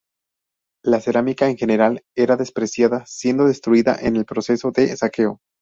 La cerámica en general era despreciada, siendo destruida en el proceso de saqueo.